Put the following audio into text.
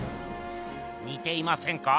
にていませんか？